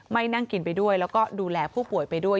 นั่งกินไปด้วยแล้วก็ดูแลผู้ป่วยไปด้วย